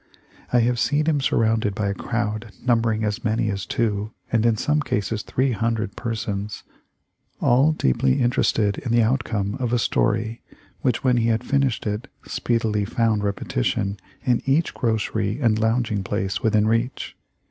I have seen him surrounded by a crowd numbering as many as two and in some cases three hundred persons, all deeply interested in the outcome of a story which, when he had finished it, speedily found repetition in every grocery and lounging place within reach.